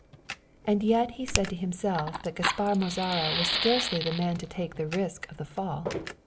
And yet he said to himself that Gaspar Mozara was scarcely the man to take the risk of the fall.